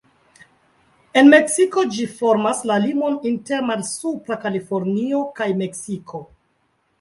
En Meksiko ĝi formas la limon inter Malsupra Kalifornio kaj Meksiko.